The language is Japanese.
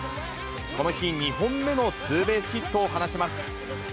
この日、２本目のツーベースヒットを放ちます。